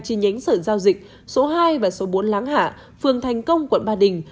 chi nhánh sở giao dịch số hai và số bốn láng hạ phường thành công quận ba đình